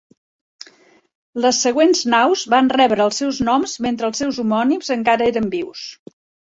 Les següents naus van rebre els seus noms mentre els seus homònims encara eren vius.